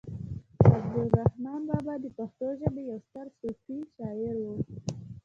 عبد الرحمان بابا د پښتو ژبې يو ستر صوفي شاعر و